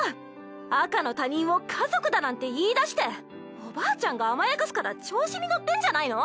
あかの他人を家族だなんて言いだしておばあちゃんが甘やかすから調子に乗ってんじゃないの？